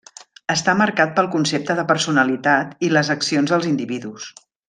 Està marcat pel concepte de personalitat i les accions dels individus.